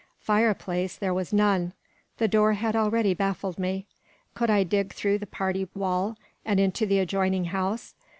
Fireplace there was none; the door had already baffled me; could I dig through the party wall, and into the adjoining house?